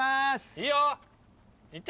いいよ。